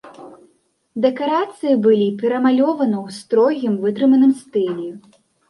Дэкарацыі былі перамалёваны ў строгім вытрыманым стылі.